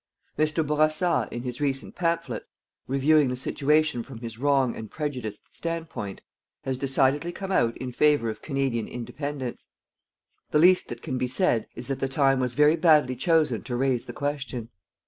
Mr. Bourassa, in his recent pamphlets, reviewing the situation from his wrong and prejudiced standpoint, has decidedly come out in favour of Canadian Independence. The least that can be said is that the time was very badly chosen to raise the question.